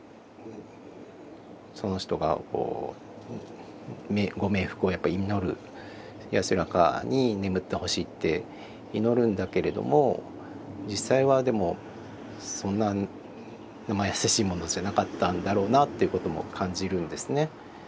その人がご冥福を祈る安らかに眠ってほしいって祈るんだけれども実際はでもそんななまやさしいものじゃなかったんだろうなっていうことも感じるんですね。